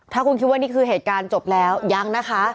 ถ้าคุณคิดว่านี่คือเหตุการณ์จบแล้วยังนะคะ